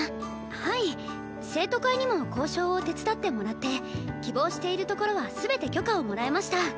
はい生徒会にも交渉を手伝ってもらって希望しているところは全て許可をもらえました。